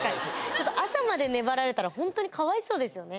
朝まで粘られたらホントにかわいそうですよね